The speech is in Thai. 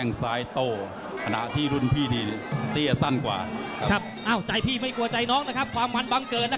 สอนหน้านี้นี่อรัวมัติขู่ลุ่นน้องมุมแดงที่เห็นแล้วครับสอนหน้านี้นี่อรัวมัติเป็นประทัดจุดจีนเลยนะพี่ชัยนะ